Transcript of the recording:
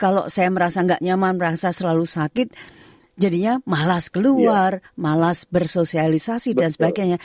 kalau saya merasa nggak nyaman merasa selalu sakit jadinya malas keluar malas bersosialisasi dan sebagainya